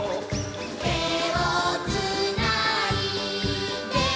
「てをつないで」